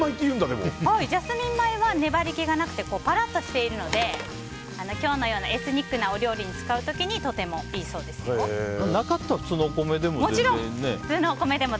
ジャスミン米は粘り気がなくてぱらっとしているので今日のようなエスニックなお料理に使う時になかったら普通のお米でも。